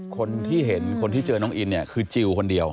คนที่เห็นคนที่เจอน้องอินเนี่ยคือจิลคนเดียว